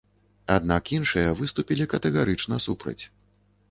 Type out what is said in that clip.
Аднак іншыя выступілі катэгарычна супраць.